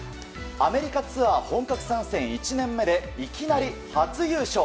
アメリカツアー本格参戦１年目でいきなり初優勝。